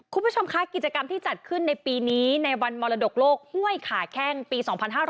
คุณผู้ชมคะกิจกรรมที่จัดขึ้นในปีนี้ในวันมรดกโลกห้วยขาแข้งปี๒๕๕๙